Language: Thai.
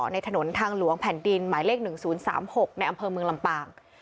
ในถนนทางหลวงแผ่นดินหมายเลข๑๐๓๖ในอำเภอเมืองลำปาง